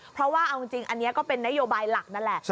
เพราะว่าเอาจริงอันนี้ก็เป็นนโยบายหลักนั่นแหละ